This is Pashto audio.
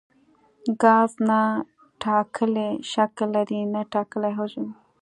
ګاز نه ټاکلی شکل لري نه ټاکلی حجم.